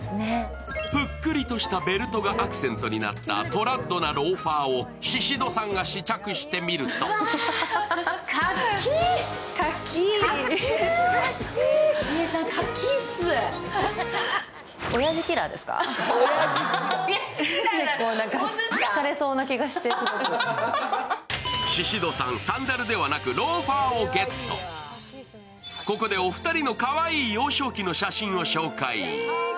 ぷっくりとしたベルトがアクセントになったトラッドなローファーをシシドさんが試着してみるとここでお二人のかわいい幼少期の写真を紹介。